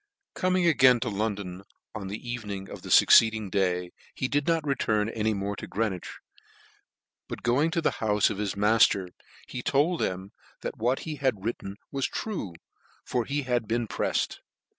Coming again to London on the evening of the fucceeding cfay, he did not return any more to Greenwich, but going to the houfe of his maf ters, he told them that what he had written was true, for that he had been preffed.